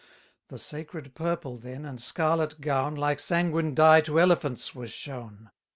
The sacred purple, then, and scarlet gown, Like sanguine dye to elephants, was shown.